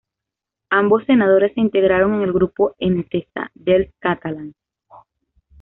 Ambos senadores se integraron en el grupo Entesa dels Catalans.